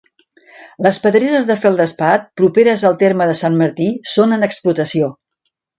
Les pedreres de feldespat, properes al terme de Sant Martí, són en explotació.